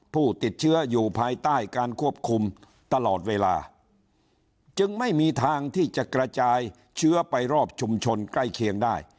ผู้ติดเชื้ออยู่ภายใต้การควบคุมตลอดเวลาจึงไม่มีทางที่จะกระจายเชื้อไปรอบชุมชนใกล้เคียงได้